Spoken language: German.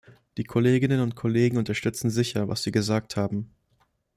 Die Kolleginnen und Kollegen unterstützen sicher, was Sie gesagt haben.